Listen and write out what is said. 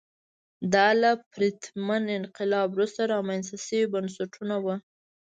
دا له پرتمین انقلاب وروسته رامنځته شوي بنسټونه وو.